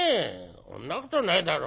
「そんなことないだろ。